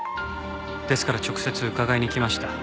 ですから直接伺いに来ました。